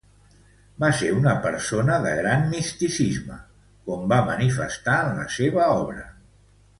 Va ser una persona de gran misticisme, com va manifestar en la seva obra.